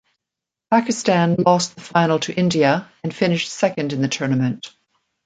Pakistan lost the final to India and finished second in the tournament.